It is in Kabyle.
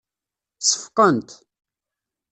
Seffqent.